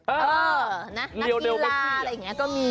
เออนักกีฬาอะไรอย่างนี้ก็มี